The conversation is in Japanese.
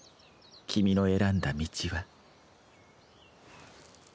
君の選んだ道は。